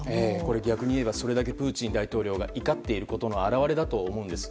逆に言えばそれだけプーチン大統領が怒っていることの表れだと思うんです。